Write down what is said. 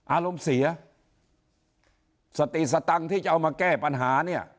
อารมณ์เสียสติสตังค์ที่จะเอามาแก้ปัญหาเนี่ย